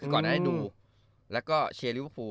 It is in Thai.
ก่อนนั้นได้ดูแล้วก็เชียร์ริวคู